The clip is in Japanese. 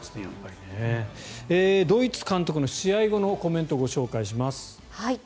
ドイツ監督の試合後のコメントを紹介します。